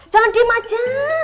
jangan diem aja